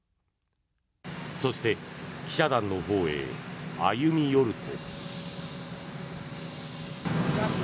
そして、記者団のほうへ歩み寄ると。